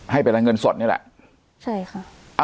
ให้เป็นรายเงินสดนี่แหละใช่ค่ะ